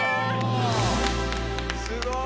すごい！